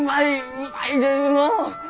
うまいですのう！